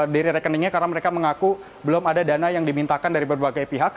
dari rekeningnya karena mereka mengaku belum ada dana yang dimintakan dari berbagai pihak